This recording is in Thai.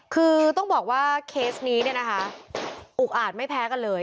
คือต้องบอกว่าเคสนี้อุกอาจไม่แพ้กันเลย